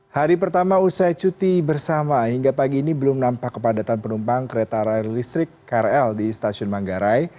hari pertama usai cuti bersama hingga pagi ini belum nampak kepadatan penumpang kereta rail listrik krl di stasiun manggarai